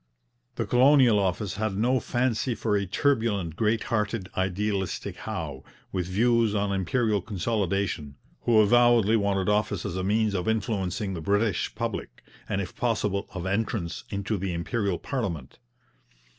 The Colonial Office had no fancy for a turbulent, great hearted, idealistic Howe, with views on Imperial consolidation, who avowedly wanted office as a means of influencing the British public, and if possible of entrance into the Imperial parliament.